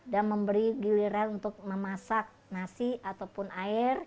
dan memberi giliran untuk memasak nasi atau air